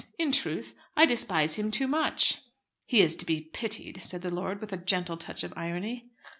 In truth, I despise him too much." "He is to be pitied," said the lord, with a gentle touch of irony.